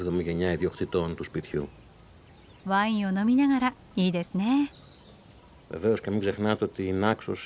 ワインを飲みながらいいですね。